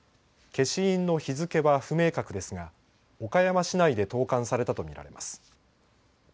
消印の日付は不明確ですが岡山市内で投かんされたと見られます。